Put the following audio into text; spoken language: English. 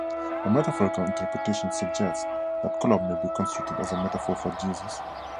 A metaphorical interpretation suggests that Kolob may be construed as a metaphor for Jesus.